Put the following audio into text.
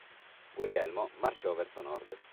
Guglielmo marciò verso nord.